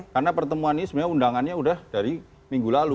karena pertemuan ini sebenarnya undangannya udah dari minggu lalu